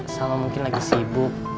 salma mungkin lagi sibuk